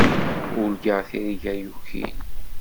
Urgaɣ tirga yukin.